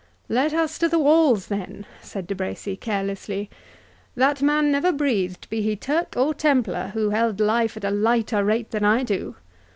"Let us to the walls, then," said De Bracy, carelessly; "that man never breathed, be he Turk or Templar, who held life at lighter rate than I do.